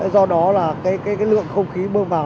do đó là lượng không khí bơm vào